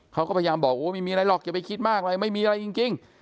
เขาก็พยายามบอกโอ้ไม่มีอะไรหรอกอย่าไปคิดมากอะไรไม่มีอะไรจริง